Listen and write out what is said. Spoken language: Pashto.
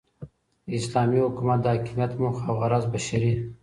داسلامي حكومت دحاكميت موخه اوغرض بشري